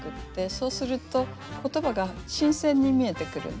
そうすると言葉が新鮮に見えてくるんです。